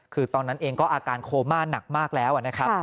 คือตอนนั้นเองก็อาการโคม่าหนักมากแล้วนะครับ